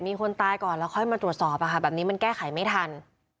มีคนตายก่อนแล้วค่อยมาตรวจสอบแบบนี้มันแก้ไขไม่ทัน